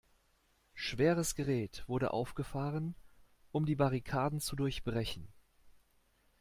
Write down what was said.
Schweres Gerät wurde aufgefahren, um die Barrikaden zu durchbrechen.